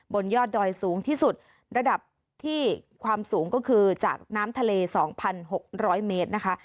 บนยอดดอยสูงที่สุดระดับที่ความสูงก็คือจากน้ำทะเล๒๖๐๐เมตรนะคะ